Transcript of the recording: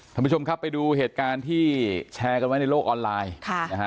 ท่านผู้ชมครับไปดูเหตุการณ์ที่แชร์กันไว้ในโลกออนไลน์ค่ะนะฮะ